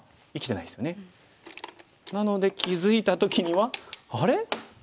なので気付いた時にはあれ？